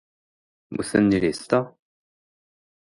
무슨 일 있어?